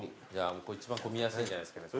一番見やすいんじゃないですかね。